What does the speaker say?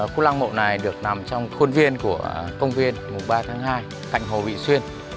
khu lăng mộ này được nằm trong khuôn viên của công viên mùng ba tháng hai cạnh hồ vị xuyên